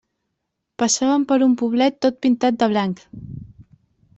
Passaven per un poblet tot pintat de blanc.